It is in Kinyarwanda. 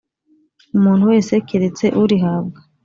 umuntu wese keretse urihabwa.